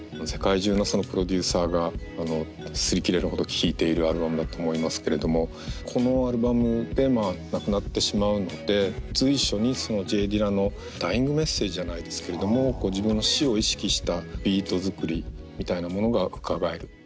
世界中のプロデューサーが擦り切れるほど聴いているアルバムだと思いますけれどもこのアルバムで亡くなってしまうので随所にＪ・ディラのダイイングメッセージじゃないですけれども自分の死を意識したビート作りみたいなものがうかがえる。